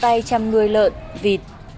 tay chăm ngươi lợn vịt